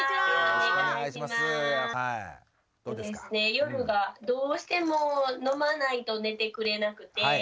夜がどうしても飲まないと寝てくれなくて。